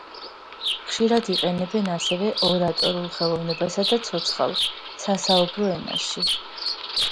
ხშირად იყენებენ ასევე ორატორულ ხელოვნებასა და ცოცხალ, სასაუბრო ენაში.